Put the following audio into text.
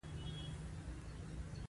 ته پر ما ګران یې